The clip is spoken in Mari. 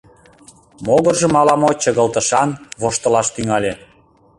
Могыржым ала-мо чыгылтышан воштылаш тӱҥале.